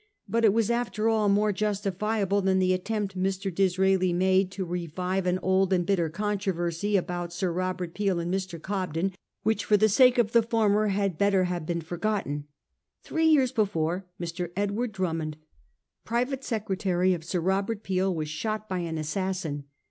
But it was after all more jus tifiable than the attempt Mr. Disraeli made to revive 408 A HISTORY OF OUR OWN TIMES. ca. xti. an old and bitter controversy between Sir Robert Peel and Mr. Cobden, wbicb for tbe sake of the former bad better bave been forgotten. Three years before, Mr. Edward Drummond, private secretary of Sir Robert Peel, was shot by an assassin.